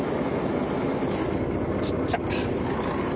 小っちゃ。